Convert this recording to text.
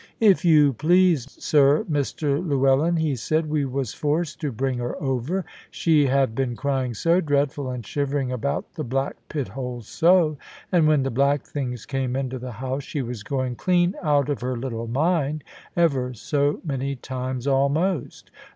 "If you please, sir, Mr Llewellyn," he said, "we was forced to bring her over; she have been crying so dreadful, and shivering about the black pit hole so. And when the black things came into the house, she was going clean out of her little mind, ever so many times almost.